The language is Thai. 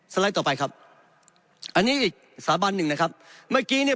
ไลด์ต่อไปครับอันนี้อีกสถาบันหนึ่งนะครับเมื่อกี้เนี่ย